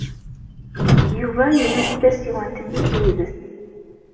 Yuba yewwi-d tasiwant-nnes yid-s.